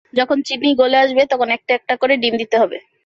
যখন চিনি গলে আসবে, তখন একটা একটা করে ডিম দিতে হবে।